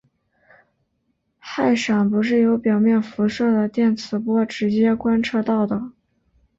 氦闪不是由表面辐射的电磁波直接观测到的。